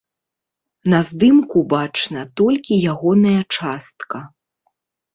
На здымку бачна толькі ягоная частка.